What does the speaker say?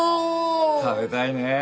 食べたいねぇ！